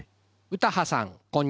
・詩羽さんこんにちは。